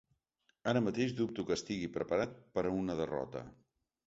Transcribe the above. Ara mateix dubto que estigui preparat per a una derrota.